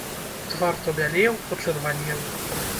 Твар то бялеў, то чырванеў.